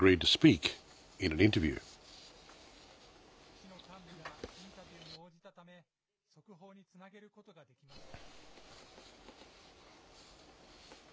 市の幹部がインタビューに応じたため、速報につなげることができました。